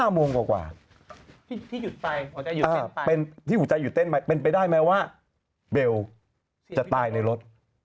โมงกว่าที่หยุดไปที่หัวใจหยุดเต้นไปเป็นไปได้ไหมว่าเบลจะตายในรถ